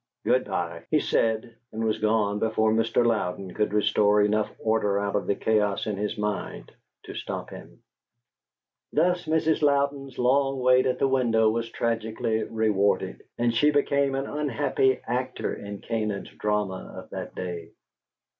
Good bye," he said, and was gone before Mr. Louden could restore enough order out of the chaos in his mind to stop him. Thus Mrs. Louden's long wait at the window was tragically rewarded, and she became an unhappy actor in Canaan's drama of that day.